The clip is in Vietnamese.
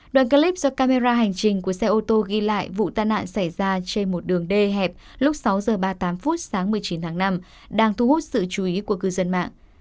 đoạn clip do camera hành trình của xe ô tô ghi lại vụ tai nạn xảy ra trên một đường d hẹp lúc sáu h ba mươi tám phút sáng một mươi chín tháng năm đang thu hút sự chú ý của cư dân mạng